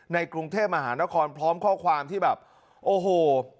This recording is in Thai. ในกรุงเทพมหานครพร้อมข้อความที่แบบโอ้โห